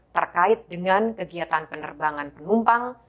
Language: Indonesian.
terkait dengan kegiatan penerbangan penumpang